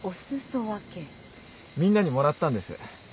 みんなにもらったんです。